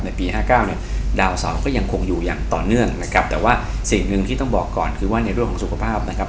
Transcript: ปี๕๙เนี่ยดาวเสาก็ยังคงอยู่อย่างต่อเนื่องนะครับแต่ว่าสิ่งหนึ่งที่ต้องบอกก่อนคือว่าในเรื่องของสุขภาพนะครับ